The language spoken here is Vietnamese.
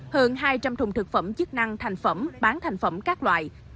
hơn hai trăm linh thùng thực phẩm chức năng thành phẩm bán thành phẩm các loại